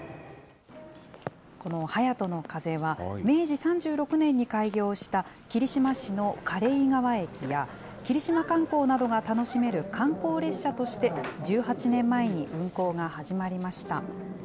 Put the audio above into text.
このはやとの風は、明治３６年に開業した霧島市の嘉例川駅や、霧島観光などが楽しめる観光列車として、１８年前に運行が始まりました。